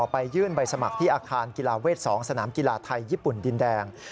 ไปยื่นใบสมัครที่อาคารกีฬาเวท๒สนามกีฬาไทยญี่ปุ่นดินแดง